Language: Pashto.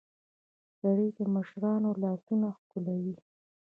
سړى د مشرانو لاسونه ښکلوي.